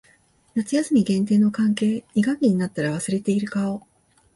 夏休み限定の関係。二学期になったら忘れている顔。